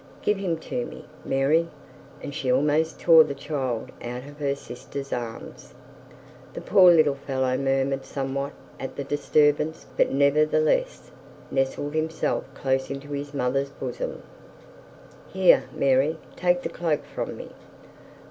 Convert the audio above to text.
'Give him to me, Mary,'and she almost tore the child out of her sister's arms. The poor little fellow murmured somewhat at the disturbance, but nevertheless nestled himself close into his mother's bosom. 'Here, Mary, take the cloak from me.